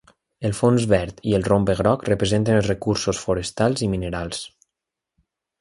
El fons verd i el rombe groc representen els recursos forestals i minerals.